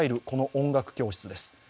この音楽教室です。